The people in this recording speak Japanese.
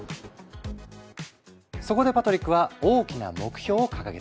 そこでパトリックは大きな目標を掲げた。